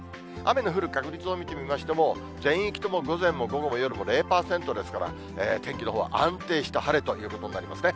雨の降る確率を見てみましても、全域とも午前も午後も夜も０％ですから、天気のほうは安定した晴れということになりますね。